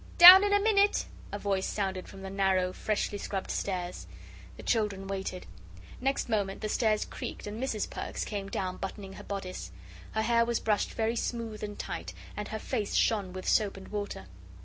"Down in a minute," a voice sounded down the narrow, freshly scrubbed stairs. The children waited. Next moment the stairs creaked and Mrs. Perks came down, buttoning her bodice. Her hair was brushed very smooth and tight, and her face shone with soap and water.